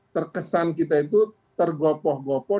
terkesan kita itu tergopoh gopoh